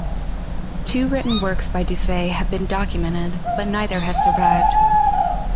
Two written works by Du Fay have been documented, but neither has survived.